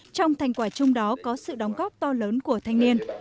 trong thành quả chung đó có sự đóng góp to lớn của thanh niên